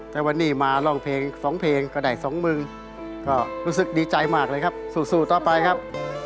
แต่วันนี้มาร้องเพลงสองเพลงก็ได้สองหมื่นก็รู้สึกดีใจมากเลยครับสู้ต่อไปครับ